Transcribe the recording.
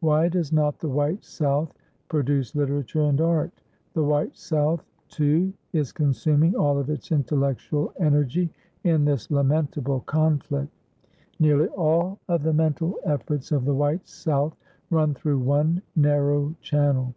Why does not the white South produce literature and art? The white South, too, is consuming all of its intellectual energy in this lamentable conflict. Nearly all of the mental efforts of the white South run through one narrow channel.